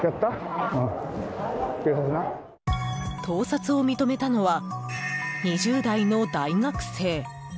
盗撮を認めたのは２０代の大学生。